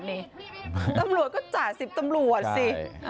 ตำรวจก็จ่า๑๐ตำรวจสิ